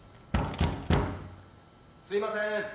すいません。